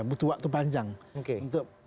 butuh waktu panjang untuk